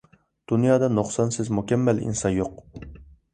دۇنيادا نۇقسانسىز، مۇكەممەل ئىنسان يوق.